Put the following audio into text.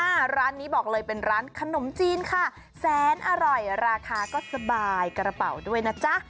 ร้านนี้บอกเลยเป็นร้านขนมจีนค่ะแสนอร่อยราคาก็สบายกระเป๋าด้วยนะจ๊ะ